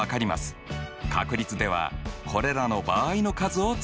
確率ではこれらの場合の数を使いますよ。